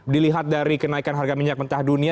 dilihat dari kenaikan harga minyak mentah dunia